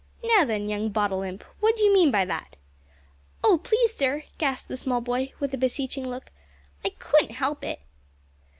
"Now, then, young bottle imp, what did you mean by that?" "Oh! please, sir," gasped the small boy, with a beseeching look, "I couldn't help it."